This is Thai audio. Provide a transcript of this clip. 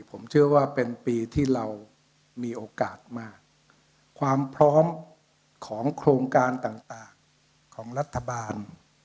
ผมเชื่อว่าเป็นปีที่เรามีโอกาสมากความพร้อมของโครงการต่างต่างของรัฐบาล